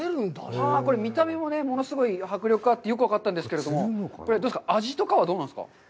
これ、見た目も物すごい迫力あってよく分かったんですが、どうですか、味とかはどうなんですか。